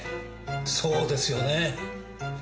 そうですよね。